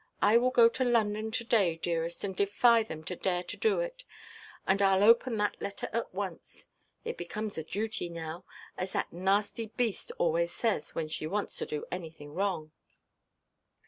I will go to London to–day, dearest, and defy them to dare to do it. And Iʼll open that letter at once. It becomes a duty now; as that nasty beast always says, when she wants to do anything wrong."